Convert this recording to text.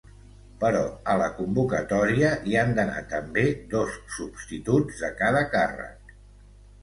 Però a la convocatòria hi han d’anar també dos substituts de cada càrrec.